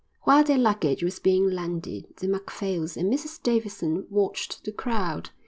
While their luggage was being landed the Macphails and Mrs Davidson watched the crowd.